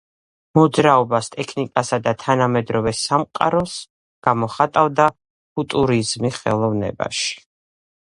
Მოძრაობას, ტექნიკასა და თანამედროვე სამყაროს გამოხატავდა ფუტურიზმი ხელოვნებაში.